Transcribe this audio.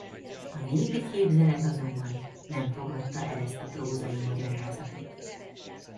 A népi képzelet azonban nem fogadta el ezt a prózai magyarázatot.